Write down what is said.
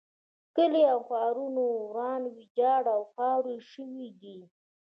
کلي او ښارونه وران ویجاړ او خاورې شوي دي.